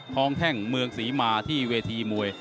แข้งเมืองศรีมาที่เวทีมวย